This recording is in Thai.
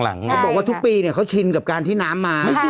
เขาบอกว่าทุกปีเนี่ยเขาชินกับการที่น้ำมา